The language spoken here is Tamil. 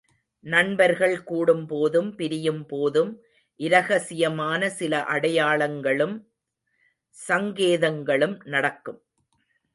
நண்பர்கள் கூடும்போதும் பிரியும் போதும் இரகசியமான சில அடையாளங்களும் சங்கேதங்களும் நடக்கும்.